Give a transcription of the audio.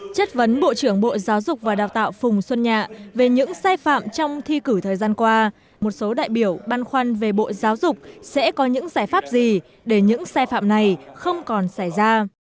chất vấn bộ trưởng bộ giáo dục và đào tạo phùng xuân nhạ về những sai phạm trong thi cử thời gian qua một số đại biểu băn khoăn về bộ giáo dục sẽ có những giải pháp gì để những sai phạm này không còn xảy ra